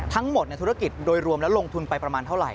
ทั้งหมดธุรกิจโดยรวมแล้วลงทุนไปประมาณเท่าไหร